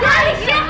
ya udah lepasin aku